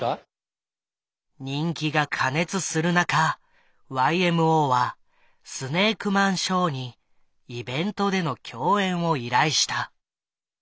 人気が過熱する中ＹＭＯはスネークマンショーにイベントでの共演を依頼した。